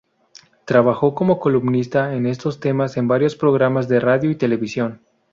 Trabajó como columnista en estos temas en varios programas de radio y televisión.